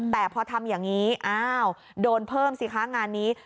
แต่พอทำอย่างนี้อ้าวโดนเพิ่มสิคะงานนี้